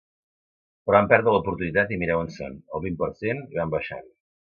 Però van perdre l’oportunitat i mireu on són: al vint per cent, i van baixant.